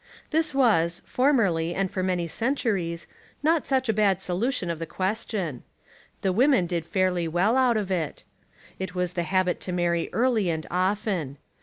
This was, formerly and for many centuries, not such a bad solution of the question. The women did fairly well out of it. It was the habit to marry early and often.